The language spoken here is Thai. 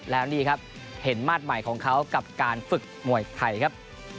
แล้วนี่ครับเห็นมาสใหม่ของเขากับการฝึกมวยไทยครับ